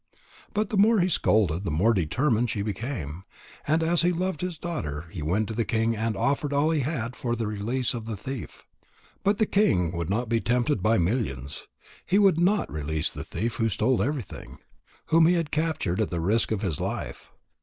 But the more he scolded, the more determined she became. And as he loved his daughter, he went to the king and offered all he had for the release of the thief. But the king would not be tempted by millions. He would not release the thief who stole everything, whom he had captured at the risk of his life.